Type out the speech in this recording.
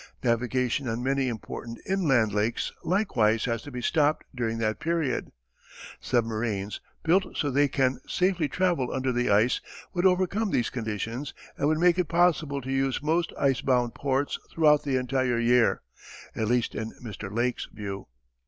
Navigation on many important inland lakes likewise has to be stopped during that period. Submarines, built so that they can safely travel under the ice, would overcome these conditions and would make it possible to use most ice bound ports throughout the entire year at least in Mr. Lake's view.